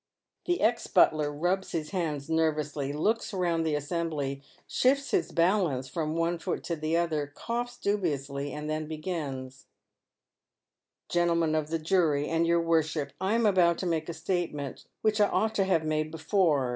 " The ex butler rubs his hands nervously, looks round the assembly, shifts his balance fi om one foot to the other, coughs dubiously, and then begins, —" Gentlemen of the jury, and your worship, I am about to make a statement which I ought to have made before.